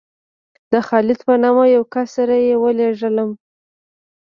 د خالد په نامه یو کس سره یې ولېږلم.